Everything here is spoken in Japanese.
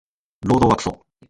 労働はクソ